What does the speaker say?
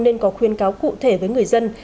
nên có khuyên cáo cụ thể với người dân